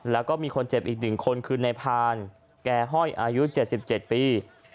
แล้วก็มีคนเจ็บอีก๑คนคือในพานแก่ห้อยอายุ๗๗ปี